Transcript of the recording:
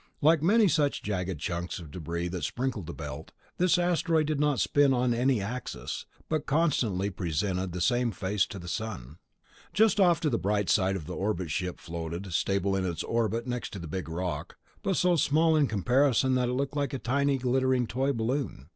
Like many such jagged chunks of debris that sprinkled the Belt, this asteroid did not spin on any axis, but constantly presented the same face to the sun. Just off the bright side the orbit ship floated, stable in its orbit next to the big rock, but so small in comparison that it looked like a tiny glittering toy balloon.